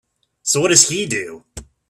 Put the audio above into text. So what does he do?